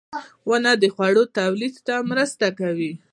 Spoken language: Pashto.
• ونه د خوړو تولید ته مرسته کوي.